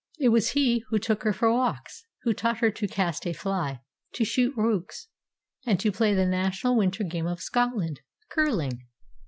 It was he who took her for walks, who taught her to cast a fly, to shoot rooks, and to play the national winter game of Scotland curling.